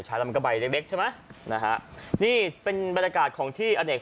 แล้วมันก็ใบเล็กเล็กใช่ไหมนะฮะนี่เป็นบรรยากาศของที่อเนก